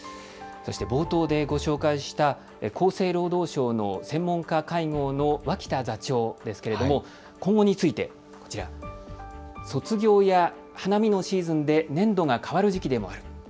そして冒頭でご紹介した厚生労働省の専門家会合の脇田座長ですけれども今後について、こちら、卒業や花見のシーズンで年度が替わる時期でもある。